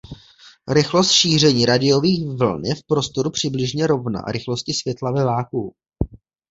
Rychlost šíření rádiových vln je v prostoru přibližně rovna rychlosti světla ve vakuu.